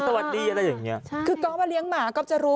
สวัสดีแล้วก็อย่างนี้คือข้าวมาเลี้ยงหมาก็จะรู้